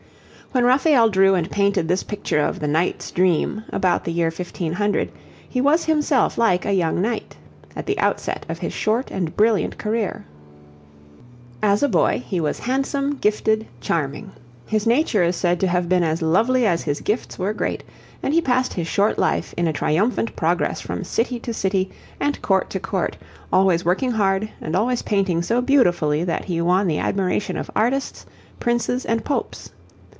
When Raphael drew and painted this picture of the 'Knight's Dream,' about the year 1500, he was himself like a young knight, at the outset of his short and brilliant career. As a boy he was handsome, gifted, charming. His nature is said to have been as lovely as his gifts were great, and he passed his short life in a triumphant progress from city to city and court to court, always working hard and always painting so beautifully that he won the admiration of artists, princes, and popes.